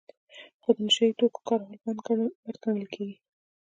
خو د نشه یي توکو کارول بد ګڼل کیږي.